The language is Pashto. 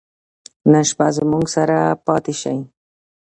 نن شپه زموږ سره پاته سئ.